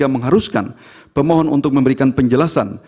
yang mengharuskan pemohon untuk memberikan penjelasan